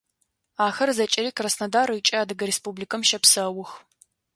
Ахэр зэкӏэри Краснодар ыкӏи Адыгэ Республикэм щэпсэух.